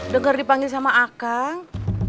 dengar dipanggil sama akang